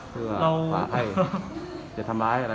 เพื่อให้จะทำร้ายอะไร